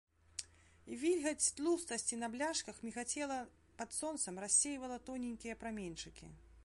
Вільгаць тлустасці на бляшках мігацела пад сонцам, рассейвала тоненькія праменьчыкі.